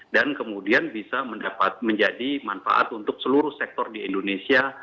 dan kemudian bisa menjadi manfaat untuk seluruh sektor di indonesia